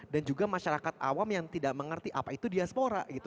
dan juga masyarakat awam yang tidak mengerti apa itu diaspora gitu